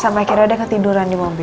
sampai kira kira dia ketiduran di mobil